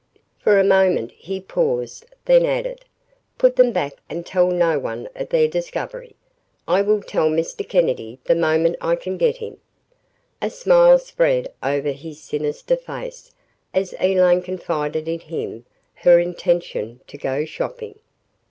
For a moment he paused, then added, "Put them back and tell no one of their discovery. I will tell Mr. Kennedy the moment I can get him." A smile spread over his sinister face as Elaine confided in him her intention to go shopping.